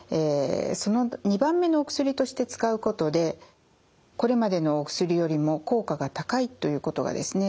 その２番目のお薬として使うことでこれまでのお薬よりも効果が高いということがですね